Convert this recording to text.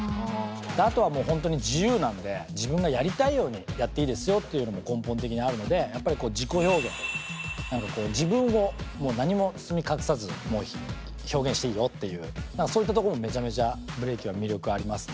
あとはもう本当に自由なんで自分がやりたいようにやっていいですよっていうのも根本的にあるのでやっぱり自己表現何かこう自分を何も包み隠さず表現していいよっていうそういったとこもめちゃめちゃブレイキンは魅力ありますね。